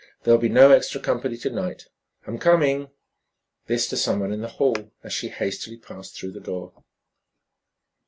There'll be no extra company to night. I'm coming." This to some one in the hall as she hastily passed through the door.